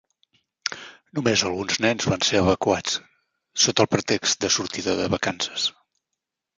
Només alguns nens van ser evacuats, sota el pretext de sortida de vacances.